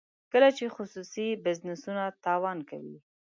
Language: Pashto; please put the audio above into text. کله چې خصوصي بزنسونه تاوان کوي.